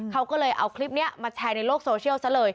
เขาก็เลยเอาคลิปนี้มาแชร์ในโลกโซเชียลซะเลย